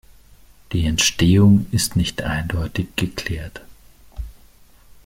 Die Entstehung ist nicht eindeutig geklärt.